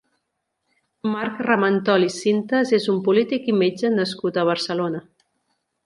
Marc Ramentol i Sintas és un polític i metge nascut a Barcelona.